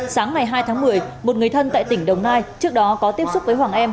sáng ngày hai tháng một mươi một người thân tại tỉnh đồng nai trước đó có tiếp xúc với hoàng em